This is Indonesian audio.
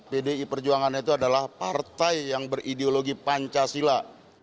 pdi perjuangan itu adalah partai yang berideologi pancasila